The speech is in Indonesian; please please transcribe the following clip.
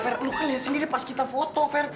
fer fer lu kan lihat sendiri pas kita foto fer